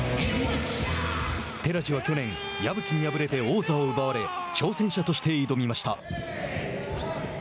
寺地は去年、矢吹に敗れて王座を奪われ挑戦者として挑みました。